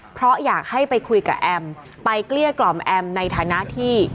เพราะอยากให้ไปคุยกับแอมไปเกลี้ยกล่อมแอมในฐานะที่